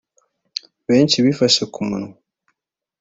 Benshi bifashe ku munwa